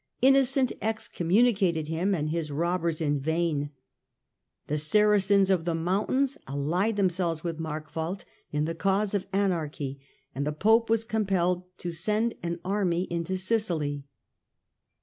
Innocent excommunicated him and his rob bers in vain. The Saracens of the mountains allied them selves with Markwald in the cause of anarchy, and the Pope was compelled to send an army into Sicily.